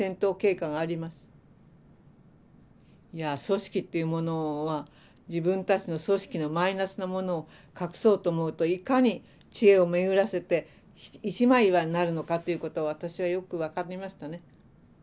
組織っていうものは自分たちの組織のマイナスなものを隠そうと思うといかに知恵を巡らせて一枚岩になるのかということを私はよく分かりましたね。